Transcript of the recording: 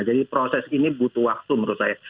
jadi proses ini butuh waktu menurut saya